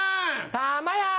たまや！